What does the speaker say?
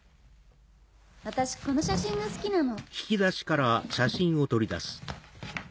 私この写真が好きなの。